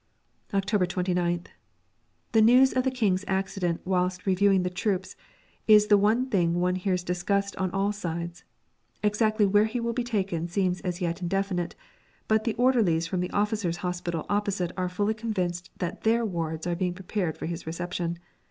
October 29th. The news of the King's accident whilst reviewing the troops is the one thing one hears discussed on all sides. Exactly where he will be taken seems as yet indefinite, but the orderlies from the Officers' Hospital opposite are fully convinced that their wards are being prepared for his reception.